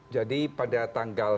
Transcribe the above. jadi pada tanggal